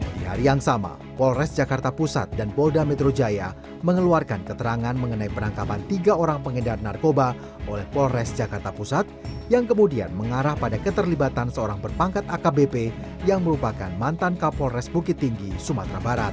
di hari yang sama polres jakarta pusat dan polda metro jaya mengeluarkan keterangan mengenai penangkapan tiga orang pengedar narkoba oleh polres jakarta pusat yang kemudian mengarah pada keterlibatan seorang berpangkat akbp yang merupakan mantan kapolres bukit tinggi sumatera barat